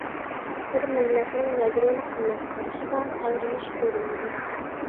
بىر مىللەتنىڭ يادرولۇق قىممەت قارىشىدا تەۋرىنىش كۆرۈلىدۇ.